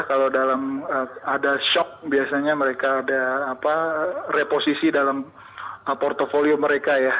kalau dalam ada shock biasanya mereka ada reposisi dalam portfolio mereka ya